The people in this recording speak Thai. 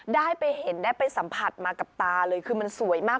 ได้ไปเห็นได้ไปสัมผัสมากับตาเลยคือมันสวยมาก